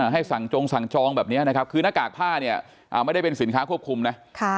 สั่งจงสั่งจองแบบนี้นะครับคือหน้ากากผ้าเนี่ยไม่ได้เป็นสินค้าควบคุมนะ